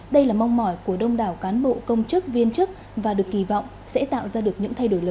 đây là mong mỏi của đông đảo cán bộ công chức viên chức và được kỳ vọng sẽ tạo ra được những thay đổi lớn